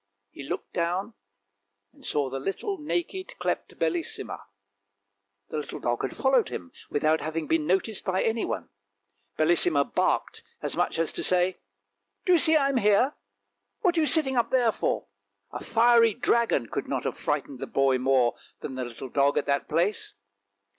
He looked down and saw the little naked, clipped Bellissima. The little dog had followed him, without having been noticed by anyone, Bellissima barked, as much as to say, " Do you see I am here? what are you sitting up there for? " A fiery dragon could not have frightened the boy more than the little dog at that place.